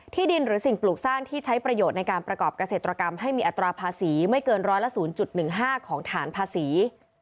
ดินหรือสิ่งปลูกสร้างที่ใช้ประโยชน์ในการประกอบเกษตรกรรมให้มีอัตราภาษีไม่เกินร้อยละ๐๑๕ของฐานภาษี